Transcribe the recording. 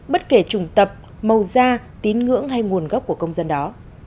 bất kể trùng tập màu da tín ngưỡng hay nguồn gốc của công dân đó